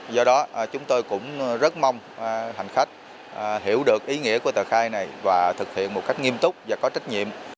do đó chúng tôi cũng rất mong hành khách hiểu được ý nghĩa của tờ khai này và thực hiện một cách nghiêm túc và có trách nhiệm